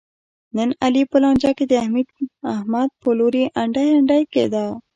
نن علي په لانجه کې د احمد په لوري انډی انډی کېدا.